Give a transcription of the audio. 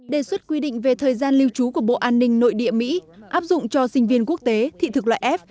đề xuất quy định về thời gian lưu trú của bộ an ninh nội địa mỹ áp dụng cho sinh viên quốc tế thị thực loại f